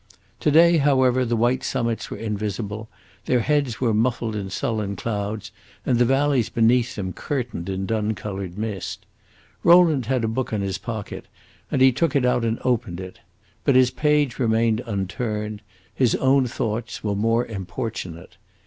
To day, however, the white summits were invisible; their heads were muffled in sullen clouds and the valleys beneath them curtained in dun colored mist. Rowland had a book in his pocket, and he took it out and opened it. But his page remained unturned; his own thoughts were more importunate.